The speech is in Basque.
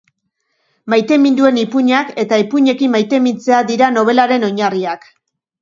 Maiteminduen ipuinak eta ipuinekin maitemintzea dira nobelaren oinarriak.